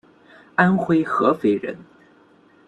安徽合肥人。